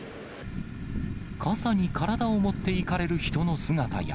傘に体を持っていかれる人の姿や。